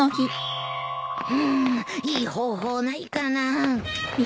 うーんいい方法ないかな。